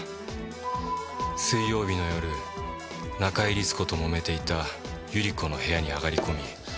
水曜日の夜中井律子ともめていた百合子の部屋に上がり込み。